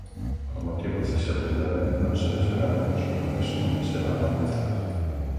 Por motivos de seguridade, non se desvelaron os lugares onde se van almacenar.